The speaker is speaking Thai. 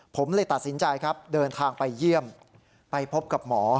ผมเลยตัดสินใจครับเดินทางไปเยี่ยมไปพบกับหมอ